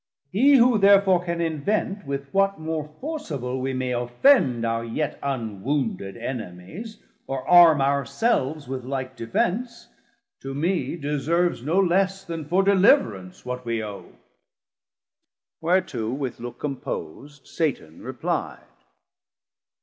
He who therefore can invent With what more forcible we may offend Our yet unwounded Enemies, or arme Our selves with like defence, to mee deserves No less then for deliverance what we owe. Whereto with look compos'd Satan repli'd.